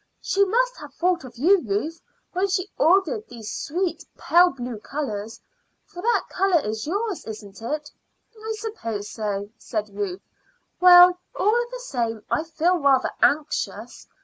She must have thought of you, Ruth, when she ordered these sweet pale blue colors, for that color is yours, isn't it?" "I suppose so," said Ruth. "Well, all the same, I feel rather anxious.